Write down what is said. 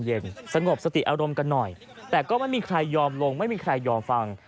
สงบสติอารมณ์กันหน่อยแต่ก็ไม่มีใครยอมลงไม่มีใครยอมฟัง